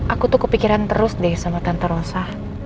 aku tuh kepikiran terus deh sama tante rosa